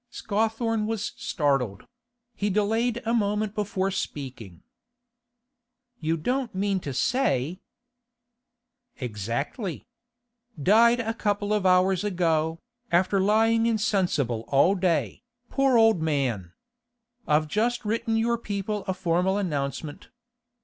Scawthorne was startled; he delayed a moment before speaking. 'You don't mean to say—' 'Exactly. Died a couple of hours ago, after lying insensible all day, poor old man! I've just written your people a formal announcement.